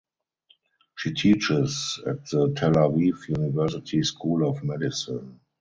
She teaches at the Tel Aviv University School of Medicine.